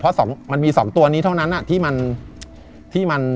เพราะมันมี๒ตัวนี้เท่านั้นที่มัน